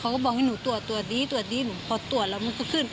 เขาบอกตรวจดีตรวจดีพอตรวจมันก็ขึ้น